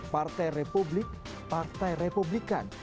partai republik partai republikan